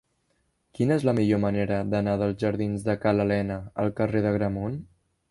Quina és la millor manera d'anar dels jardins de Ca l'Alena al carrer d'Agramunt?